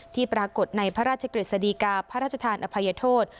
ที่ปรากฏในพระราชกฤษฎีกาพระราชทานอภัยโทษ